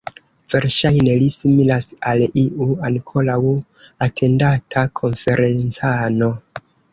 Verŝajne li similas al iu ankoraŭ atendata konferencano.